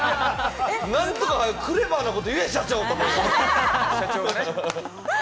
何とか「クレバー」なこと言え社長と思いながら。